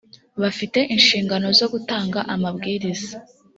bafite inshingano zo gutanga amabwiriza